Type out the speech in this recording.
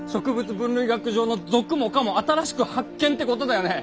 分類学上の属も科も新しく発見ってことだよね？